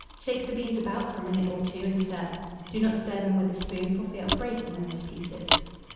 Shake the beans about for a minute or two, and serve: do not stir them with a spoon, for fear of breaking them to pieces.